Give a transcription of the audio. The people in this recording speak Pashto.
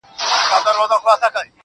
زه چي کور ته ورسمه هغه نه وي.